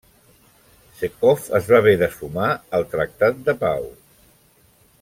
Pskov es va haver de sumar al tractat de pau.